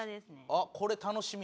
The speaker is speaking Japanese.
あっこれ楽しみ。